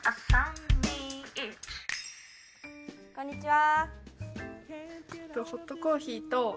こんにちは。